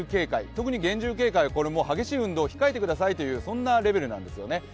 特に厳重警戒は激しい運動を控えてくださいというレベルなんですね。